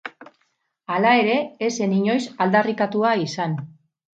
Hala ere, ez zen inoiz aldarrikatua izan.